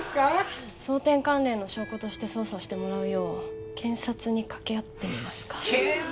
争点関連の証拠として捜査してもらうよう検察に掛け合ってみますか検察